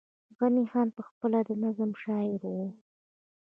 غني خان پخپله د نظم شاعر وو